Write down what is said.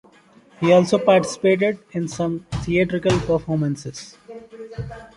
He also participated in some theatrical performances.